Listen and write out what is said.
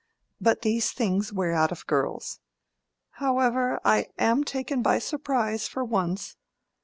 But these things wear out of girls. However, I am taken by surprise for once."